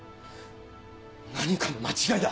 何かの間違いだ！